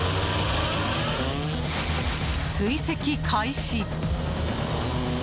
追跡開始。